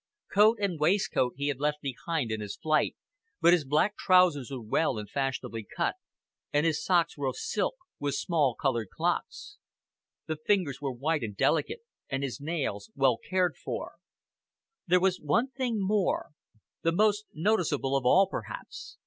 Coat and waistcoat he had left behind in his flight, but his black trousers were well and fashionably cut, and his socks were of silk, with small colored clocks. The fingers were white and delicate, and his nails well cared for. There was one thing more, the most noticeable of all perhaps.